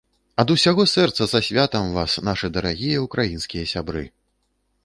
Ад усяго сэрца са святам вас, дарагія нашы ўкраінскія сябры!